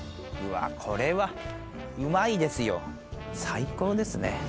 うわっこれはうまいですよ最高ですね。